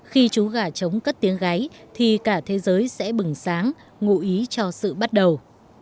khi chú gà trống cất tiếng gáy thì cả thế giới sẽ bừng sáng ngụ ý cho sự bắt đầu